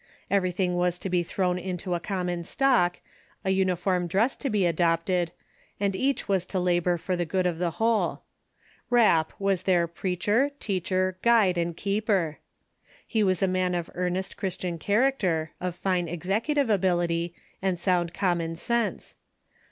Everything was to be thrown into a common stock, a uniform dress to be adopted, and each was to labor for the good of the whole. Rapp was their " preacher, teacher, guide, and keep er." He was a man of earnest Christian character, of fine executive ability, and sound common sense.